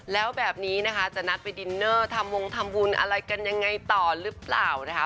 แล้วแบบนี้นะคะจะนัดไปดินเนอร์ทำวงทำบุญอะไรกันยังไงต่อหรือเปล่านะคะ